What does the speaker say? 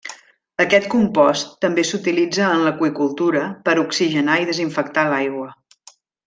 Aquest compost també s'utilitza en l'aqüicultura per oxigenar i desinfectar l'aigua.